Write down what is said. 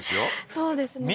そうですね